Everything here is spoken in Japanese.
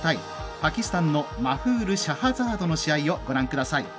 パキスタンのマフール・シャハザードの試合をご覧ください。